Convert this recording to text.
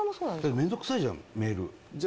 めんどくさいじゃんメール。